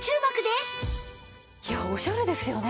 オシャレですよね。